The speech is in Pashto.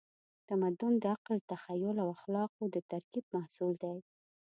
تمدن د عقل، تخیل او اخلاقو د ترکیب محصول دی.